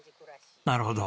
なるほど。